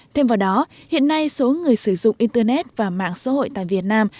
thêm vào đó hiện nay số người sử dụng internet và mạng xã hội tại việt nam